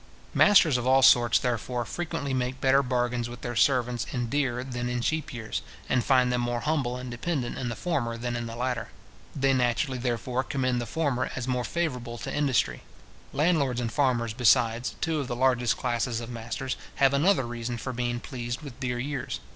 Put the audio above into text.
Masters of all sorts, therefore, frequently make better bargains with their servants in dear than in cheap years, and find them more humble and dependent in the former than in the latter. They naturally, therefore, commend the former as more favourable to industry. Landlords and farmers, besides, two of the largest classes of masters, have another reason for being pleased with dear years.